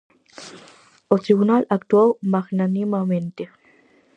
O tribunal actuou magnanimamente.